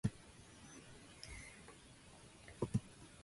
After the fall of Saratoga, they escaped north to Quebec.